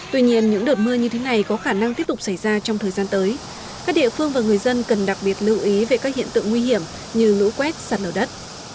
tuy nhiên những đợt mưa như thế này có khả năng tiếp tục xảy ra trong thời gian tới các địa phương và người dân cần đặc biệt lưu ý về các hiện tượng nguy hiểm như lũ quét sạt nở đất